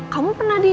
kamu pernah di